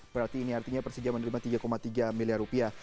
berarti ini artinya persija menerima tiga tiga miliar rupiah